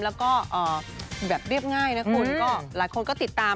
แล้วก็แบบเรียบง่ายนะคุณก็หลายคนก็ติดตาม